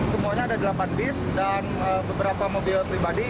semuanya ada delapan bis dan beberapa mobil pribadi